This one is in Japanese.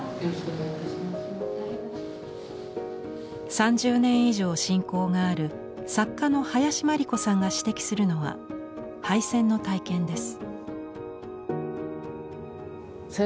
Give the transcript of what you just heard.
３０年以上親交がある作家の林真理子さんが指摘するのは敗戦の体験です。